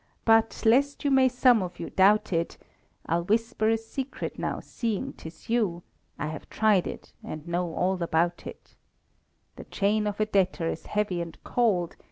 But, lest you may some of you doubt it, I'll whisper a secret now, seeing 'tis you I have tried it, and know all about it, _The chain of a debtor is heavy and cold.